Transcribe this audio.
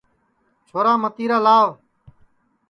چھورا متیرا لاو